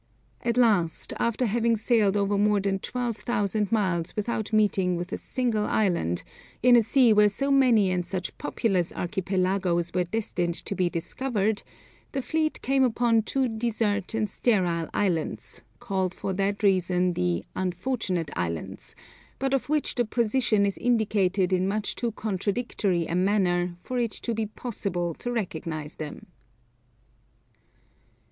At last, after having sailed over more than 12,000 miles without meeting with a single island, in a sea where so many and such populous archipelagos were destined to be discovered, the fleet came upon two desert and sterile islands, called for that reason the Unfortunate Islands, but of which the position is indicated in much too contradictory a manner, for it to be possible to recognize them.